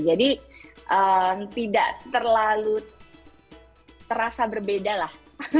jadi tidak terlalu terasa berbeda lah